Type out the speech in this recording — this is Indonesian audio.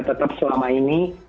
tetap selama ini